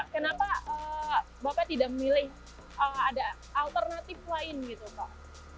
kenapa bapak tidak memilih ada alternatif lain gitu pak